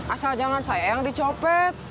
asal jangan saya yang dicopet